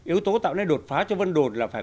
yếu tố tạo nên đột phá cho vân đồn là phải